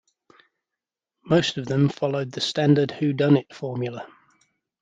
Most of them followed the standard whodunit formula.